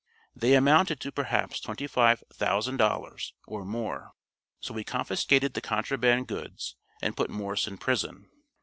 They amounted to perhaps twenty five thousand dollars, or more. So we confiscated the contraband goods, and put Morse in prison.